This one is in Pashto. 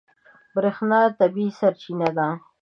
برېښنا طبیعي سرچینه ده.